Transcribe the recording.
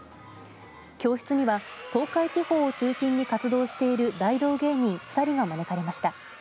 教室には東海地方を中心に活動している大道芸人２人が招かれました。